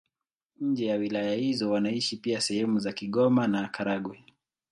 Nje na wilaya hizo wanaishi pia sehemu za Kigoma na Karagwe.